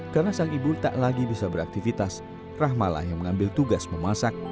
karena sang ibu tak lagi bisa beraktivitas rahmalah yang mengambil tugas memasak